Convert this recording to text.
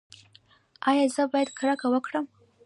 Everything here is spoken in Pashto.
ایا زه باید کرکه وکړم؟